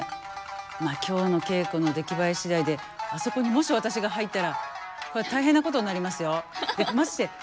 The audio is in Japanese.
まあ今日の稽古の出来栄え次第であそこにもし私が入ったらこれは大変なことになりますよ。